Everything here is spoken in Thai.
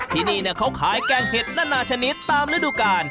ที่นี่เขาขายแกงเห็ดนานาชนิดตามฤดูกาล